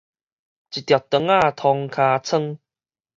一條腸仔通尻川